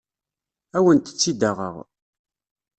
Ad awent-tt-id-aɣeɣ.